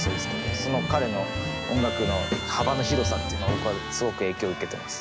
その彼の音楽の幅の広さっていうのを僕はすごく影響を受けてます。